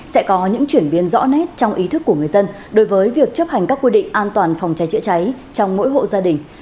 sẽ có những chuyển biến rõ nét trong ý thức của người dân đối với việc chấp hành các quy định an toàn phòng cháy chữa cháy trong mỗi hộ gia đình